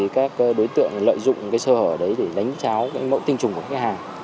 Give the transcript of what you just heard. các đối tượng lợi dụng sơ hở để đánh tráo mẫu tinh trùng của khách hàng